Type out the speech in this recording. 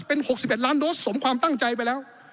เป็น๖๑ล้านโดสสมความตั้งใจไปแล้ว